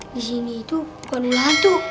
di sini itu bukan satu